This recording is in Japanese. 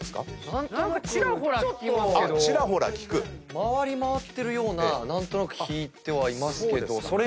回り回ってるような何となく聞いてはいますけど。